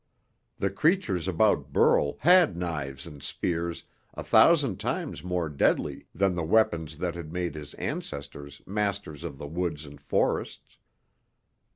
The creatures about Burl had knives and spears a thousand times more deadly than the weapons that had made his ancestors masters of the woods and forests.